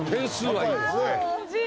はい。